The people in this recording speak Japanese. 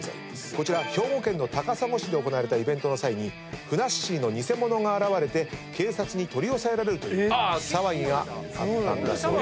こちら兵庫県の高砂市で行われたイベントの際にふなっしーの偽者が現れて警察に取り押さえられるという騒ぎがあったんです。